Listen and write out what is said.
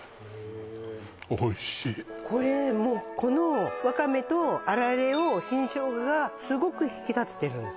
おいしいこれもうこのわかめとあられを新生姜がすごく引き立ててるんです